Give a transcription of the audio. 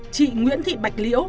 chị nguyễn thị bạch liễu